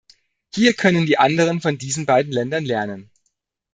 Hier können die anderen von diesen beiden Ländern lernen.